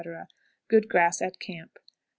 Good grass at camp. 7.40.